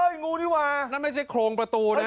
ยังไงแป๊บเ฀าะนั้นไม่ใช่โครงประตูนะ